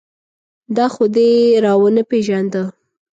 دا خو دې را و نه پېژانده.